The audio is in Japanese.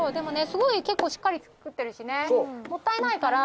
すごい結構しっかり作ってるしねもったいないから。